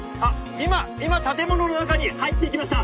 今今建物の中に入っていきました」